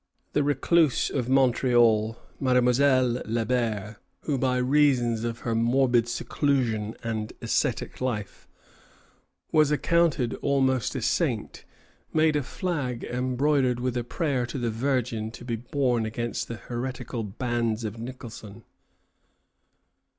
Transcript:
The recluse of Montreal, Mademoiselle Le Ber, who, by reason of her morbid seclusion and ascetic life, was accounted almost a saint, made a flag embroidered with a prayer to the Virgin, to be borne against the heretical bands of Nicholson.